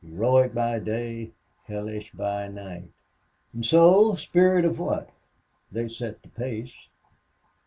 Heroic by day hellish by night.... And so, spirit or what they set the pace."